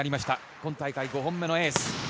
今大会５本目のエース。